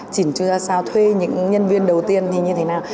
chỉnh chứa ra sao thuê những nhân viên đầu tiên thì như thế nào